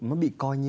nó bị coi như